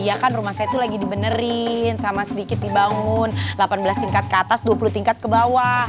iya kan rumah saya itu lagi dibenerin sama sedikit dibangun delapan belas tingkat ke atas dua puluh tingkat ke bawah